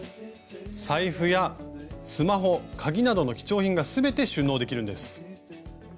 財布やスマホ鍵などの貴重品が全て収納できるんです。